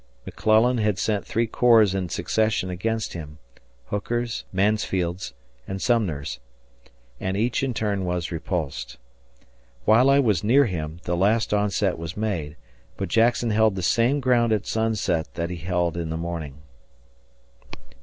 McClellan had sent three corps in succession against him Hooker's, Mansfield's, and Sumner's and each in turn was repulsed. While I was near him, the last onset was made, but Jackson held the same ground at sunset that he held in the morning.